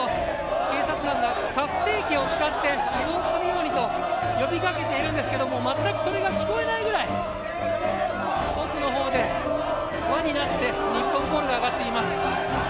警察官が拡声器を使って移動するようにと呼びかけているんですけど全くそれが聞こえないぐらい奥のほうで輪になって日本コールが上がっています。